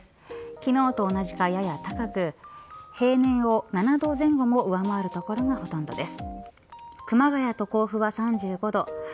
昨日と同じか、やや高く平年を７度前後も上回る所がほとんどです。